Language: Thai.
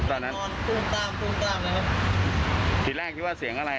ตอนนั้นนอนปุ้มตามปุ้มตามแล้วทีแรกคิดว่าเสียงอะไรอ่ะ